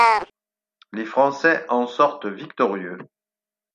Les Français en sortent victorieux.